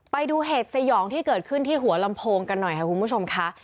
ไปดูเหตุสยองที่เกิดขึ้นที่หัวลำโพงกันหน่อยค่ะคุณผู้ชมค่ะ